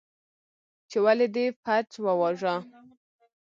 ، چې ولې دې فرج وواژه؟